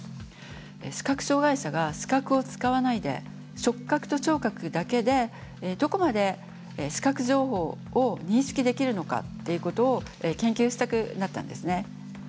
視覚障害者が視覚を使わないで触覚と聴覚だけでどこまで視覚情報を認識できるのかっていうことを研究したくなったんですね。